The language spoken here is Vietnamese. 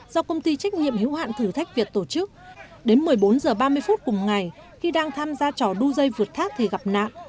do công ty trách nhiệm hiếu hạn thử thách việt tổ chức đến một mươi bốn h ba mươi phút cùng ngày khi đang tham gia trò đu dây vượt thác thì gặp nạn